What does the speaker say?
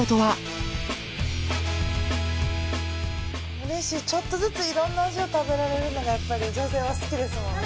うれしいちょっとずついろんな味を食べられるのがやっぱり女性は好きですもんね。